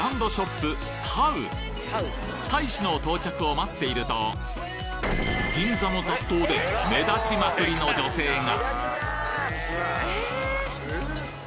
大使の到着を待っていると銀座の雑踏で目立ちまくりの女性が！